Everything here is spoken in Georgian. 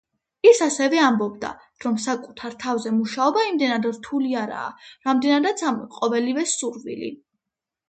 ის ასევე ამბობდა, რომ საკუთარ თავზე მუშაობა იმდენად რთული არაა, რამდენადაც ამ ყოველივეს სურვილი.